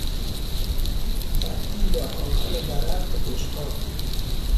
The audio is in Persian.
تبدیل آهن ورق به بشقاب